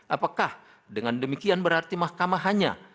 apakah dengan demikian berarti mahkamah hanya